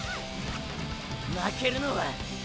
負けるのは。